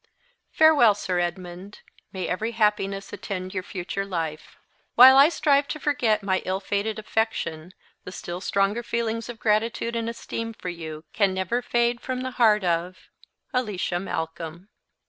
"Farewell, Sir Edmund. May every happiness attend your future life! While I strive to forget my ill fated affection, the still stronger feelings of gratitude and esteem for you can never fade from the heart of "ALICIA MALCOLM."